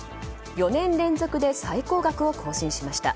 ４年連続で最高額を更新しました。